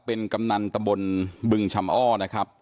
เป็นกำนันตะบนบึงชำอ้อนะครับ